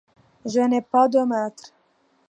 Je n’ai pas de maître.